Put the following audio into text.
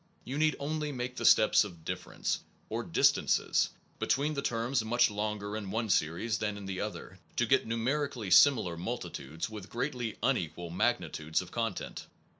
You need only make the steps of difference, or distances, between the terms much longer in one series than in the other, to get numerically similar multi tudes, with greatly unequal magnitudes of content.